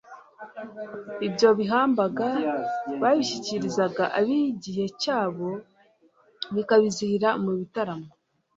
ibyo bahimbaga babishyikirizaga ab'igihe cyabo bikabizihira mu bitaramo